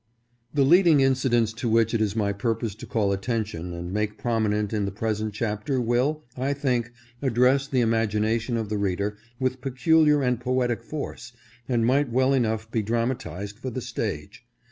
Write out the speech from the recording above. THE leading incidents to which it is my purpose to call attention and make prominent in the present chapter will, I think, address the imagination of the read er with peculiar and poetic force, and might well enough be dramatized for the stage.